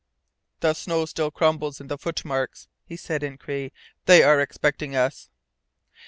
"The snow still crumbles in the footmarks," he said in Cree. "They are expecting us."